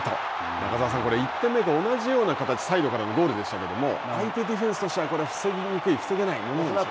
中澤さん、これ１点目と同じような形、サイドからゴールでしたけど、相手ディフェンスとしてはこれは防ぎにくい、防げないものですか。